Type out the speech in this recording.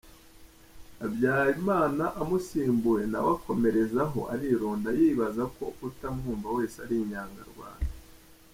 Habyalimana amusimbuye nawe akomerezaho arironda yibaza ko utamwunva wese ari Inyangarwanda.